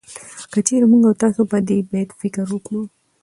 که چېرې موږ او تاسو په دې بيت فکر وکړو